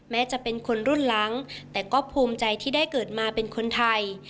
จะเป็นคนรุ่นหลังแต่ก็ภูมิใจที่ได้เกิดมาเป็นคนไทย